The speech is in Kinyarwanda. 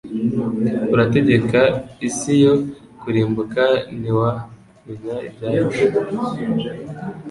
Urategeka isi yo kurimbuka ntiwa menya ibya cu